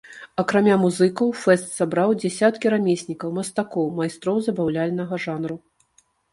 Акрамя музыкаў, фэст сабраў дзясяткі рамеснікаў, мастакоў, майстроў забаўляльнага жанру.